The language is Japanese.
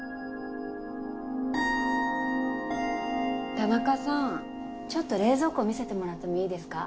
田中さんちょっと冷蔵庫見せてもらってもいいですか？